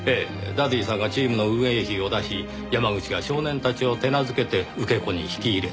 ダディさんがチームの運営費を出し山口が少年たちを手なずけて受け子に引き入れていた。